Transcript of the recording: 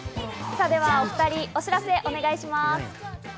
ではお２人、お知らせお願いします。